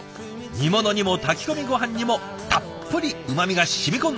煮物にも炊き込みごはんにもたっぷりうまみがしみこんでいます。